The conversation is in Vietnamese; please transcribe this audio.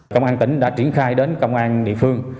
công an tỉnh đã triển khai đến công an địa phương